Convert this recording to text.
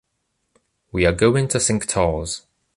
We are going to Cinctorres.